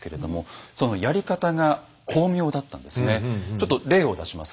ちょっと例を出しますと。